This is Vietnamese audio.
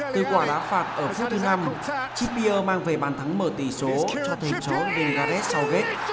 từ quả đá phạt ở phút thứ năm chibir mang về bàn thắng mở tỷ số cho thêm chó vingares sauget